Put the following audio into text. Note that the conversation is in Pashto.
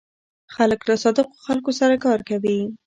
خلک له صادقو خلکو سره کار کوي.